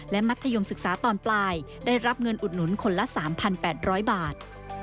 และมัธยมศึกษาตอนปลายได้รับเงินอุดหนุนคนละ๓๘๐๐บาท